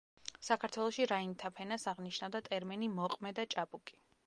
საქართველოში რაინდთა ფენას აღნიშნავდა ტერმინი მოყმე და ჭაბუკი.